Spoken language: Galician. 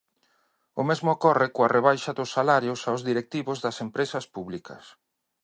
O mesmo ocorre coa rebaixa dos salarios aos directivos das empresas públicas.